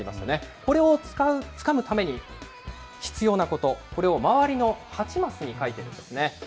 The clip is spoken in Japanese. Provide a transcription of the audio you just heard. これをつかむために必要なこと、これを周りの８マスに書いているんですよね。